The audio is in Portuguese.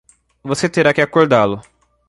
Você terá que acordá-lo.